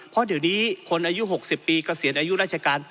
เพราะเดี๋ยวนี้คนอายุ๖๐ปีเกษียณอายุราชการ